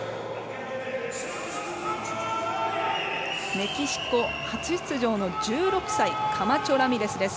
メキシコ初出場の１６歳、カマチョラミレスです。